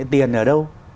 tiền ở đâu